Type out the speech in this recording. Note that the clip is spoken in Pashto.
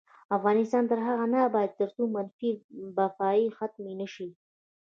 افغانستان تر هغو نه ابادیږي، ترڅو منفي بافي ختمه نشي.